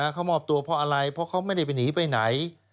เขามอบตัวเพราะอะไรเพราะเขาไม่ได้ไปหนีไปไหน